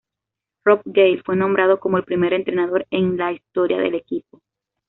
Rob Gale fue nombrado como el primer entrenador en la historia del equipo.